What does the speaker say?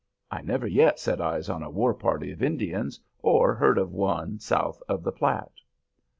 I never yet set eyes on a war party of Indians, or heard of one south of the Platte."